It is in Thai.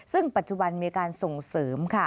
ซึ่งปัจจุบันมีการส่งเสริมค่ะ